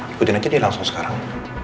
ikutin aja dia langsung sekarang